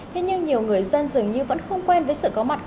thế nhưng nhiều người dân dường như vẫn không quen với sự có mặt của nhà